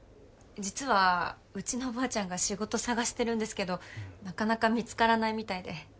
実はうちのおばあちゃんが仕事探してるんですけどなかなか見つからないみたいで。